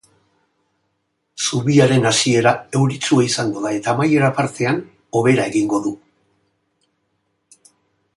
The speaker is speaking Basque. Zubiaren hasiera euritsua izango da eta amaiera partean, hobera egingo du.